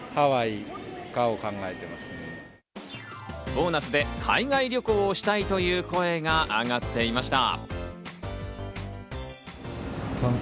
ボーナスで海外旅行をしたいという声が上がっていました。